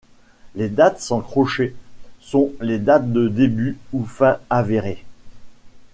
Les dates sans crochets sont les dates de début ou fin avérées.